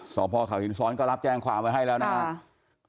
สพเขาหินซ้อนก็รับแจ้งความไว้ให้แล้วนะครับ